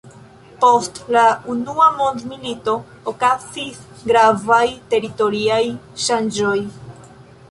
Post la unua mondmilito okazis gravaj teritoriaj ŝanĝoj.